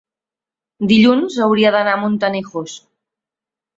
Dilluns hauria d'anar a Montanejos.